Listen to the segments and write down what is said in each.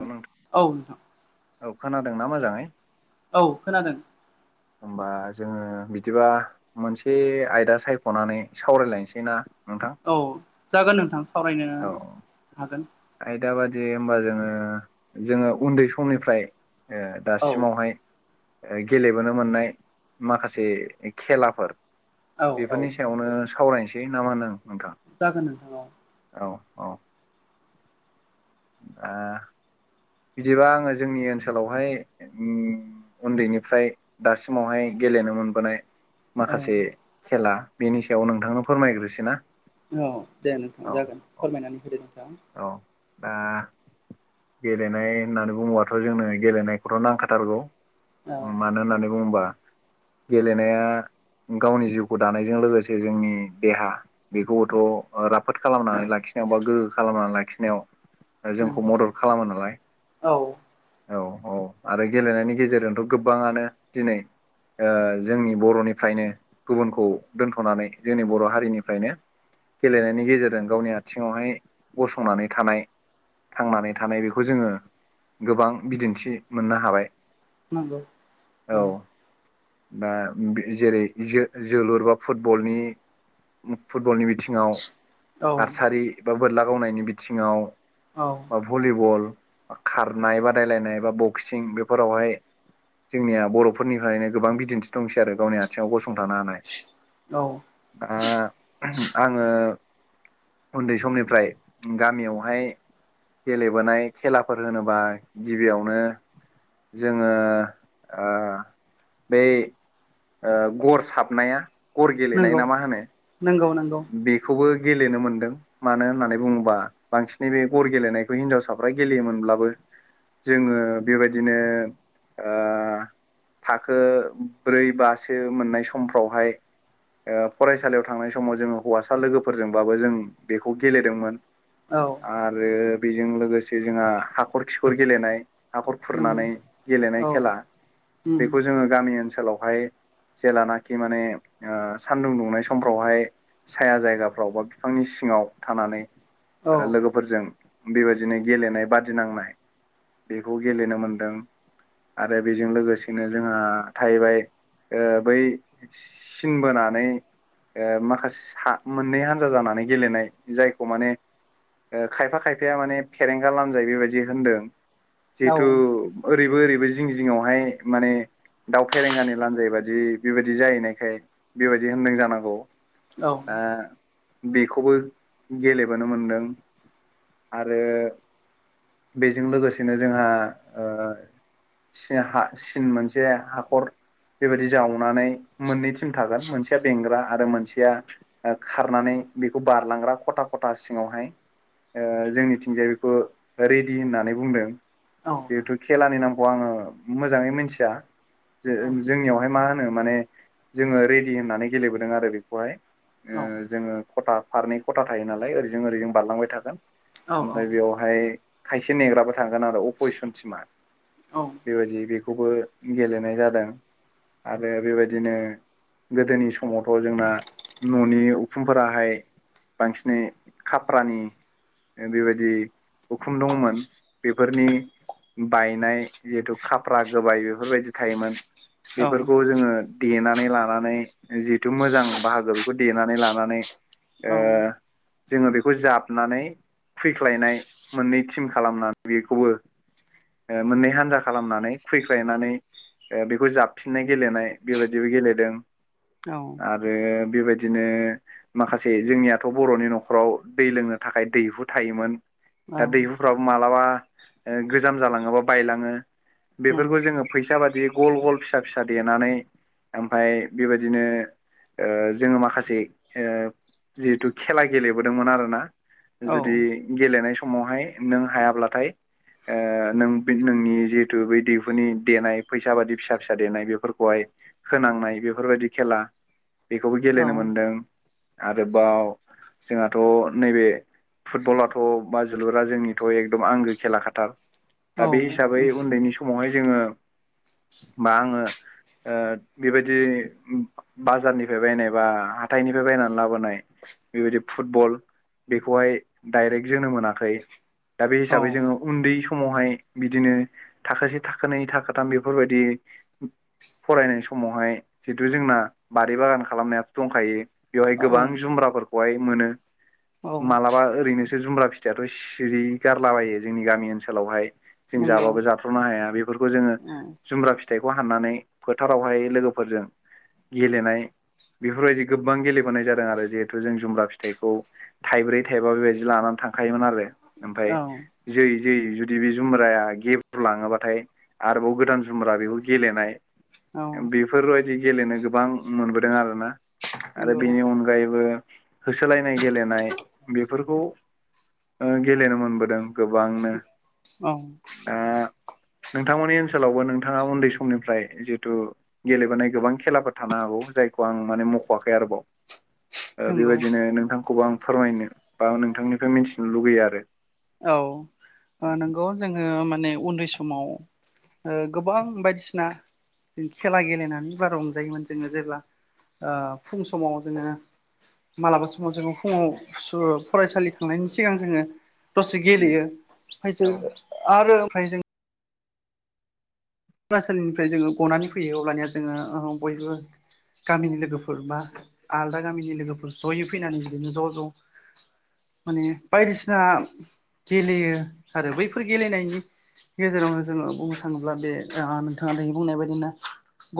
औ नोंथां औ खोनादोंना मोजाङै? औ खोनादों। होमबा जोङो बिदिबा मोनसे आयदा सायख'नानै सावरायलायनोसै ना? नोंथां औ जागोन नोंथां सावरायनो औ हागोन। आयदा बादि हमबा जोङो जोङो उन्दै समनिफ्राय औ दासिमावहाय गेलेबोनो मोननाय माखासे खेलाफोरो औ औ बेफोरनि सायावनो सावरायनोसै ना मा होनो नोंथां। जागोन नोंथां। औ औ औ। आ बिदिबा आङो जोंनि ओनसोलावहाय ओम उन्दैनिफ्राय दासिमावहाय गेलेनो मोनबोनाय ओ औ माखासे खेला बेनि सायाव नोंथांनो फोरमायग्रोसोनोना औ दे नोंथां जागोन फोरमायनानै होदो नोंथाङा औ दा गेलेनाय होननानै बुङोबाथ' जोंनो गेलेनायखौथ' नांखाथारगौ। औ मानो होननानै बुङोबा गेलेनाया गावनि जिउखौ दानायजों लोगोसे जोंनि देहा बेखौबोथ' राफोद राफोद खालामनानै लाखिनायाव बा गोहो खालामनानै लाखिनायाव ओ जोंखौ नंगौ मदद खालामो नालाय औ औ औ आरो गेलेनायनि गेजेरजोंथ' गोबाङानो दिनै जोंनि बर'निफ्रायनो गुबुनखौ दोनथ'नानै जोंनि बर' हारिनिफ्रायनोओ गेलेनायनि गेजेरजों गावनि आथिङावहाय गसंनानै थानाय थांनानै थानाय बेखौ जोङो गोबां बिदिन्थि मोननो हाबाय नंगौ औ दा जेरै जोलुर बा फुटबलनि फुटबलनि बिथिङाव औ हारसारि बा बोरला गावनायनि बिथिङाव औ। भलिबल खारनाय बादायलायनाय बा बक्सिं बेफोरावहाय जोंनिया बर'फोरनिफ्रायनो गोबां बिदिन्थि दंसै आरो गावनि आथिङाव गसंथानो हानाय औ। दा आङो उन्दै समनि ओमफ्राय गामियावहायो गेलेबोनाय खेलाफोर होनोबा गिबियावनो। जोङो बै गर साबनाया बा गर नंगौ गेलेनाय ना मा होनो? नंगौ नंगौ। बेखौबो गेलेनो मोनदों। मानो होननानै बुङोबा बांसिनै बे गर गेलेनायखौ हिनजावसाफ्रा गेलेयोमोनब्लाबो जोङो बेबादिनो ओ थाखो ब्रै बासो मोननाय समफ्रावहाय फरायसालियाव थांनाय सम समाव जोङो हौवासा लोगोफोरजोंबाबो जों बेखौ गेलेदोंमोन। औ। आरो बेजों लोगोसे जोंहा हाखर खिखर गेलेनाय। हाखर नंगौ खुरनानै गेलेनाय औ खेला उम बेखौ जोङो गामि ओनसोलावहाय जेलानाखि माने सानदुं दुंनाय समफ्रावहाय साया जायगाफ्राव बा बिफांनि सिङाव थानानै औ लोगो फोरजों बेबायदिनो गेलेनाय बादिनांनाय बेखौ गेलेनो मोनदों आरो बेजों लोगोसेनो जोंहा थाहैबाय ओ बै सिन बोनानै ओ माखास हा मोननै हान्जा जानानै गेलेनाय जायखौ माने ओ खायफा खायफाया माने फेरेंगा लानजाइ बेबायदि होनदों औ जिहेथु ओरैबो ओरैबो जिं जिङावहाय माने दाउ फेरेंगानि लान्जाय बादि बेबायदि जाहैनायखाय बेबायदि होनदों जानांगौ औ दा बेखौबो गेलेबोनो मोनदों आरो बेजों लोगोसेनो जोंहा ओ सिन हा सिन मोनसे हाखर बेबायदि जावनानै मोननै थिम थागोन मोनसेया बेंग्रा आरो मोनसेया ओ खारनानै बेखौ बारलांग्रा खथा खथा सिङावहाय ओ जोंनिथिंजाय बेखौ रेडि होननानै बुंदों औ जिहेथु खेलानि नामखौ आङो मोजाङै मिथिया जो औ जोंनियावहाय मा होनो माने जोङो रेडि होननानै गेलेबोदों आरो बेखौहाय ओ औ जोङो खथा फारनै खथा थायो नालाय ओरैजों ओरैजों बारलांबाय थागोन औ ओमफ्राय बेयाव फाय खायसे नेग्राबो थांगोन आरो अपजिसन टिमा औ बेबायदि बेखौबो गेलेनाय जादों आरो बेबायदिनो गोदोनि समावथ जोंना न'नि उखुंफोराहाय बांसिनै खाप्रानि बेबायदि उखुम दंमोन बेफोरनि बायनाय जिहेतु खाफ्रा गोबाय बेफोरबायदि थायोमोन बेफोरखौ जोङो देनानै लानानै जिहेथु मोजां बाहागो बेखौ देनानै लानानै ओ औ जोङो बेखौ जाबनानै फैख्लायनाय मोननै टिम खालामनानै बेखौबो ओ मोननै हान्जा खालामनानै खुबैख्लायनानै ओ बेखौ जाबफिननाय गेलेनाय बेबायदिबो गेलेदों औ आरो बेबाय बिदिनो माखासे जोंनियाथ बर'नि न'खराव दै लोंनो थाखाय दैहु थायोमोन दा दैहुफ्राबो मालाबा गोजाम जालाङोबा बायलाङो नंगौ बेफोरखौ जोङो फैसा बादि गल गल फिसा फिसा देनानै ओमफ्राय बेबायदिनो ओ जोङो माखासे ओ जिहेथु खेला गेलेबोदोंमोन आरोना जुदि औ गेलेनाय समावहाय नों हायाब्लाथाय ओ नों नोंनि जिहेथु बै दैहुनि देनाय फैसा बादि फिसा फिसा देनाय बेफोरखौहाय होनांनाय बेफोरबायदि खेला बेखौबो औ गेलेनो मोनदों आरोबाव जोंहाथ नैबे फुटबलाथ बा जोलुरा जोंनिथ एकदम आंगो खेला खाथार औ दा बे हिसाबै उन्दैनि समावहाय जोङो बा आङो ओ बेबायदि बाजारनि फ्राय बायनाय बा हाथाइनिफ्राय बायनानै लाबोनाय बेबायदि फुटबल बेखौहाय डाइरेक्ट जोनो मोनाखै दा बे औ हिसाबै जोङो उन्दै समावहाय बिदिनो थाखोसे थाखोनै थाखोथाम बेफोरबायदि फरायनाय समावहाय जिहेतु जोंना बारि बागान खालामनायाथ दंखायो बेवहाय गोबां जुमब्राफोरखौहाय मोनो औ मालाबा ओरैनोसो जुमब्रा फिथाइाथ सिरि गारलाबायो जोंनि गामि ओनसोलावहाय जों नंगौ जाबाबो जाथ्र नो हाया बेफोरखौ जोङो औ जुमब्रा फिथाइखौ हाननानै फोथारावहाय लोगोफोरजों गेलेनाय बेफोरबायदि गोबां गेलेबोनाय जादों आरो जिहेथु जों जुमला फिथाइखौ थाइब्रै थाइबा बेबायदि लानानै थांखायोमोन आरो ओमफ्राय औ जोयै जोयै जुदि बे जुमब्राया गेब्रुलाङोबाथाय आरोबाव गोदान जुमब्रा बेखौ गेलेनाय औ नंगौ औ बेफोरबायदि गेलेनो गोबां मोनबोदों आरोना आरो नंगौ बेनि अन गायैबो होसोलायनाय गेलेनाय बेफोरखौ ओ गेलेनो मोनबोदों गोबांनो औ दा नोंथांमोननि ओनसोलावबो नोंथाङा उन्दै समनिफ्राय जितु गेलेबोनाय गोबां खेलाफोर थानो हागौ जाय खौ आं माने मखवाखै आरोबाव बेबायदिनो नोंथांखौबो आं फोरमायनो बा नोंथांनिफ्राय मिथिनो लुगैयो आरो औ नंगौ जोङो माने उन्दै समाव ओ गोबां बायदिसिना जों खेला गेलेनानै बारा रंजायोमोन जोङो जेब्ला फुं समाव जोङो मालाबा समाव जोङो फुङाव फरायसालि थांनायनि सिगां जोङो दसे गेलेयो ओमफायसो औ आरो ओमफ्राय जों फरायसालिनिफ्राय जोङो गनानै फैयो अब्लानिया जोङो बयबो गामिनि लोगोफोर बा आलदा गामिनि लोगोफोर जयै फैनानै बिदिनो ज' ज' माने बायदिसिना गेलेयो आरो बैफोर गेलेनायनि गेजेरावनो जोङो बुंनो थाङोब्ला बे नोंथाङा दहय बुंनाय बायदिनो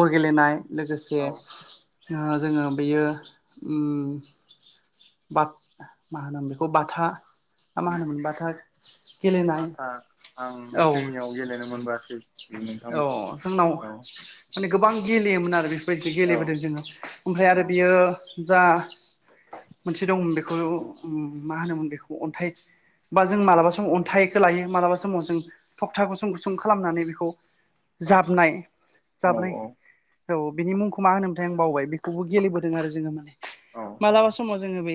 गर गेलेनाय लोगोसे औ जोङो बेयो बाब मा होनो बेखौ बाथा खमाय मोनबथाय गेलेनाय औ आव गेलेनो मोनबोआसै नोंथां औ बेखौ जोंनाव औ माने गोबां गेलेयोमोन आरो बेफोरबायदि औ गेलेबोदों जोङो ओमफ्राय औ आरो बियो जा मोनसे दंमोन बेखौ मा होनोमोन बेखौ अन्थाइ बा जों मालाबा सम अन्थाइखौ लायो मालाबा समाव जों थखथा गुसुं गुसुं खालामनानै बेखौ औ जाबनाय औ जाबनाय औ बिनि मुंखौ मा होनो मोनथाय आं बावबाय बेखौबो गेलेबोदों आरो जोङो माने औ औ मालाबा समाव जोङो बे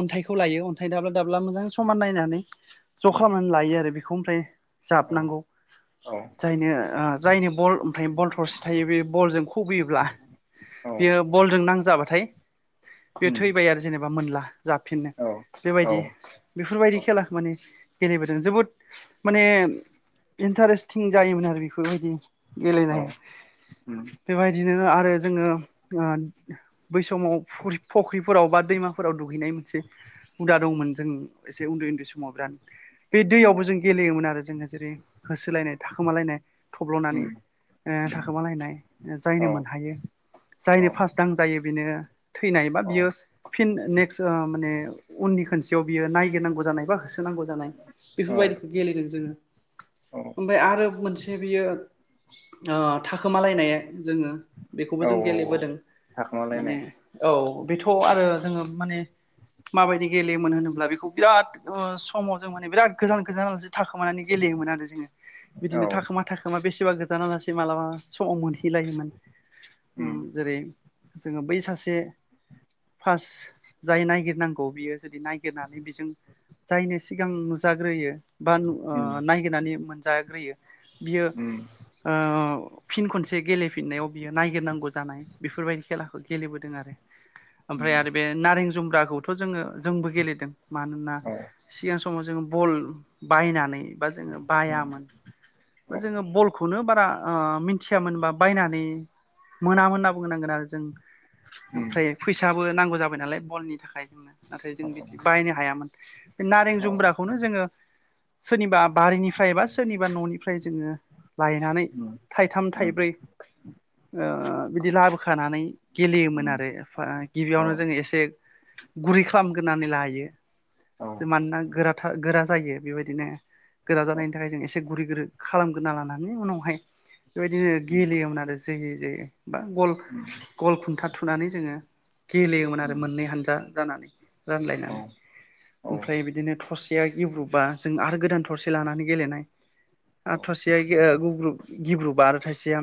अन्थाइखौ लायो अन्थाइ दाब्ला दाब्ला मोजां समान नायनानै ज' उम खालामनानै लायो आरो बेखौ ओमफ्राय औ जाबनांगौ औ जायनो जायनो बल ओमफ्राय बल थरसे थायो बे बलजों खुबैयोब्ला औ बियो बलजों नां जाबाथाय बे उम थैबाय आरो जेनेबा मोनला जाफिननो औ औ बेबायदि बेफोरबायदि औ खेलाखौ माने गेलेबोदों जोबोद माने इन्टारेस टिं जायोमोन आरो बेफोरबायदि औ गेलेनाय उम बेबायदिनो आरो जोङो बै समाव फुख्रि फख्रिफोराव बा दैमाफोराव दुगैनाय मोनसे हुदा दंमोन जों एसे उन्दै उन्दै समाव बिरादनो बे दैयावबो जों गेलेयोमोन आरो जोङो जेरै होसोलायनाय थाखोमालायनाय थब्ल'नानै उम उम थाखोमालायनाय जायनो औ मोनहायो औ जायनो फार्स्ट दां जायो बेनो थैनाय बा बियो फिन नेक्स्ट माने उननि खोनसेयाव बियो नायगिरनांगौ जानाय बा होसो नांगौ जानाय औ बेफोरबायदिखौ गेलेदों जोङो औ ओमफाय आरो मोनसे बियो थाखोमालायनाय जोङो औ बेखौबो जों गेलेबोदों माने थाखोमालायनाय औ बेथ' आरो जोङो माने माबायदि गेलेयोमोन होनोब्ला बेखौ बिराद समाव जों माने बिराद गोजान गोजानालासे थाखोमानानै गेलेयोमोन आरो जोङो औ बिदिनो थाखोमा थाखोमा बेसेबा गोजाना लासै मालाबा समाव मोनहैलायोमोन उम जेरै जोङो बै सासे फास जाय नायगिरनांगौ बियो जुदि नायगिरनानै बिजों जायनो सिगां नुजाग्रोयो बा नु उम नायगिरनानै मोनजाग्रोयो बियो उम ओ [inaudible] फिन खनसे गेलेफिननायाव बियो नायगिरनांगौ जानाय बेफोरबायदि खेलाखौ गेलेबोदों आरो उम ओमफ्राय आरो बे नारें जुम्ब्राखौथ' जोङो जोंबो गेलेदों मानोना औ सिगां समाव जोङो बल बायनानै बा जोङो औ बायामोन औ जोङो बलखौनो बारा मिथियामोनबा बायनानै मोनामोन होनना बुंनांगोन आरो जों उम ओमफ्राय फैसाबो नांगौ जाबाय नालाय बलनि थाखाय जोंनो नाथाय जों औ बिदि बायनो हायामोन बे नारें औ जुमब्राखौनो जोङो सोरनिबा बारिनिफ्राय बा सोरनिबा न'निफ्राय जोङो लायनानै उम थाइथाम उम थाइब्रै बिदि लाबोखानानै गेलेयोमोन उम आरो औ गिबियावनो जोङो एसे गुरै खालामग्रोनानै लायो औ जो मानोना गोरा गोरा जायो बेबायदिनो गोरा औ जानायनि थाखाय जों एसे गुरै गोरै खालामगोरना लानानै उनावहाय बेबायदिनो उम गेलेयोमोन आरो जोयै जोयै बा गल उम गल खुन्था थुनानै जोङो गेलेयोमोन आरो उम मोननै हानजा जानानै औ रानलायनानै उम औ औ ओमफ्राय बिदिनो थरसेया गेब्रुबा जों आरो गोदान थरसे लानानै गेलेनाय आ थायसेया गिब्रुबा आरो थाइसेया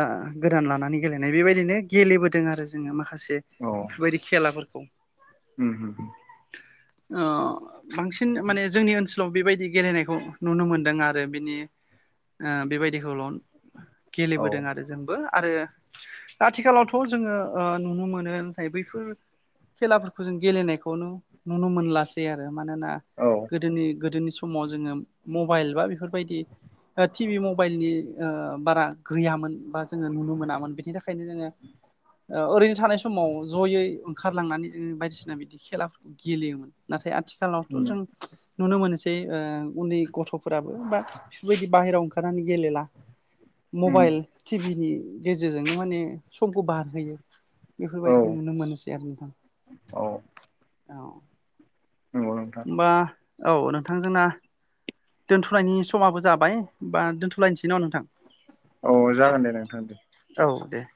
ला गोदान लानानै गेलेनाय बेबायदिनो गेलेबोदों आरो जोङो माखासे बेफोरबायदि खेलाफोरखौ उम उम बांसिन माने जोंनि ओनसोलाव बेबायदि गेलेनायखौ नुनो मोनदों आरो बिनि बेबायदिखौल' गेलेबोदों आरो जोंबो आरो आथिखालावथ' जोङो नुनो मोनो नाथाय बैफोर खेलाफोरखौ जों गेलेनायखौनो नुनो मोनलासै आरो मानोना गोदोनि गोदोनि सम समाव जोङो मबाइल बा बेफोरबायदि टिभि मबाइलनि बारा गैयामोन बा जोङो नुनो मोनामोन बिनि थाखायनो जोङो ओरैनो थानाय समाव ज'यै ओंखारलांनानै जोङो बायदिसिना बिदि खेलाफोरखौ गेलेयोमोन नाथाय आथिखालावथ' उम जों नुनो मोनसै एसे उन्दै गथ'फोराबो बा बेफोरबायदि बाहेरायाव ओंखारनानै गेलेला उम मबाइल टिभिनि गेजेरजोंनो माने समखौ बार होयो औ बेफोरबायदिखौ नुनो मोनोसै आरो औ नोंथां औ नंगौ नोंथां होमबा औ नोंथां जोंना दोनथ'नायनि समाबो जाबाय बा दोनथ'लायनोसै नामा नोंथां औ जागोन दे नोंथां दे बिदिबा औ दे